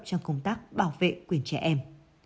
trong công tác bảo vệ quyền trẻ em